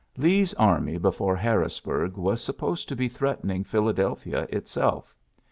Lee^s army before Harrisburg was supposed to be threatening Phila delphia itself.